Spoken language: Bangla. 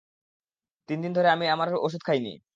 তিনদিন ধরে আমি আমার ওষুধ খাই নি।